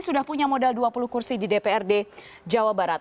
sudah punya modal dua puluh kursi di dprd jawa barat